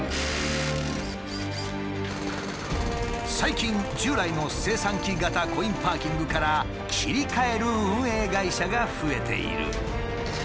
最近従来の精算機型コインパーキングから切り替える運営会社が増えている。